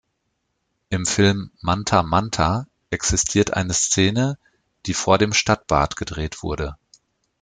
Im Film Manta, Manta existiert eine Szene, die vor dem Stadtbad gedreht wurde.